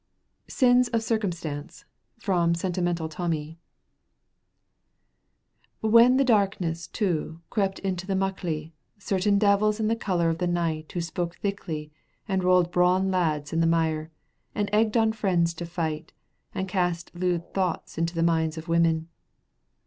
SINS OF CIRCUMSTANCE From 'Sentimental Tommy' With the darkness, too, crept into the Muckley certain devils in the color of the night who spoke thickly and rolled braw lads in the mire, and egged on friends to fight, and cast lewd thoughts into the minds of the women.